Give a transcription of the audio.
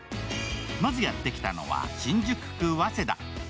まずやってきたのは、新宿区早稲田。